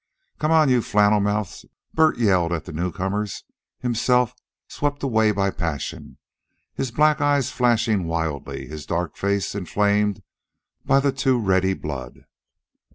"Come on, you flannel mouths!" Bert yelled at the newcomers, himself swept away by passion, his black eyes flashing wildly, his dark face inflamed by the too ready blood.